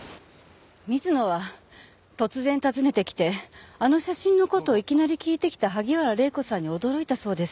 水野は突然訪ねてきてあの写真の事をいきなり聞いてきた萩原礼子さんに驚いたそうです。